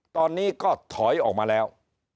ตอนนี้ก็ถอยออกมาแล้ว